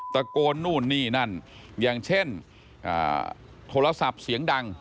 ตะโกนนู่นนี่นั่นอย่างเช่นโทรศัพท์เสียงดัง